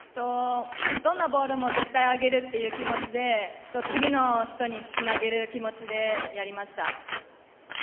どんなボールも絶対上げる意識で次の人につなげる気持ちでやりました。